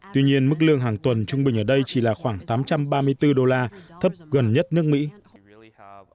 tuy nhiên mức lương hàng tuần trung bình ở đây chỉ là khoảng tám trăm ba mươi bốn đô la thấp gần nhất nước mỹ